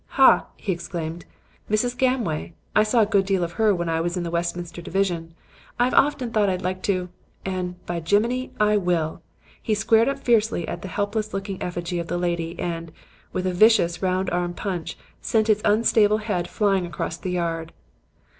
"'Ha!' he exclaimed; 'Mrs. Gamway! I saw a good deal of her when I was in the Westminster division. I've often thought I'd like to and, by Jimini! I will!' He squared up fiercely at the helpless looking effigy of the lady, and, with a vicious, round arm punch, sent its unstable head flying across the yard.